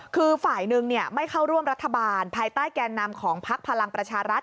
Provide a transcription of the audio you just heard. คือฝ่ายหนึ่งไม่เข้าร่วมรัฐบาลภายใต้แกนนำของพักพลังประชารัฐ